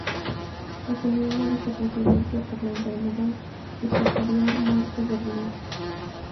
Asumió la Vicepresidencia por la enfermedad y posterior muerte de Ríos.